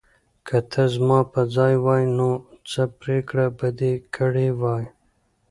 که ته زما په ځای وای، نو څه پرېکړه به دې کړې وه؟